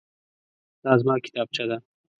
دا زما کتابچه ده.